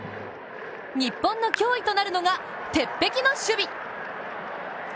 日本の脅威となるのが鉄壁の守備。